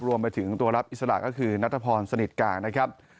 รวมไปถึงตัวรับอิสระก็คือนัทพรสนิทกลางนะครับ